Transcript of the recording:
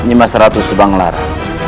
ini mas ratu subang lara